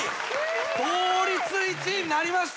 同率１位になりました。